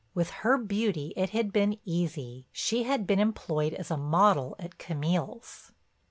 With her beauty it had been easy—she had been employed as a model at Camille's."